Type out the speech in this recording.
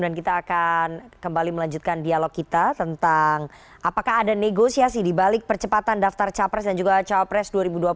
dan kita akan kembali melanjutkan dialog kita tentang apakah ada negosiasi di balik percepatan daftar capres dan juga capres dua ribu dua puluh empat